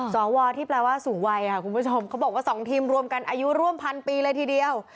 สวที่แปลว่าสูงวัยค่ะคุณผู้ชมเขาบอกว่า๒ทีมรวมกันอายุร่วมพันปีเลยทีเดียว